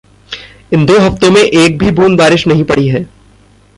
इन दो हफ़्तों में एक भी बूँद बारिश नहीं पड़ी है।